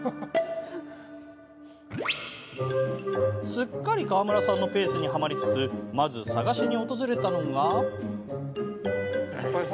すっかり川村さんのペースにはまりつつまず探しに訪れたのが。